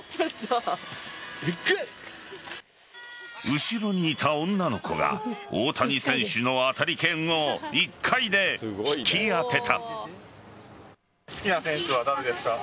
後ろにいた女の子が大谷選手の当たり券を１回で引き当てた。